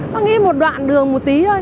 nó nghĩ một đoạn đường một tí thôi